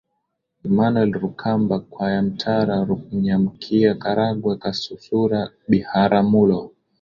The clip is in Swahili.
Emmanuel Rukamba Kyamtwara Rumanyika Karagwe Kasusura Biharamulo